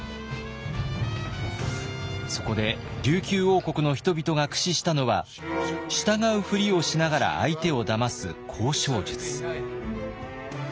そこで琉球王国の人々が駆使したのは従うふりをしながら相手をだます交渉術。